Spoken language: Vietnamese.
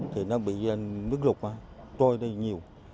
thì nó bị nước rụt trôi đi nhiều